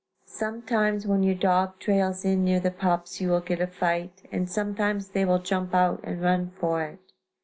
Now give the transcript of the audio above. Sometimes when your dog trails in near the pups you will get a fight, and sometimes they will jump out and run for it.